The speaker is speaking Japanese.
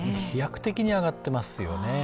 飛躍的に上がっていますよね。